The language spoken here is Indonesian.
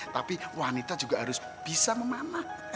tapi wanita juga harus bisa memanah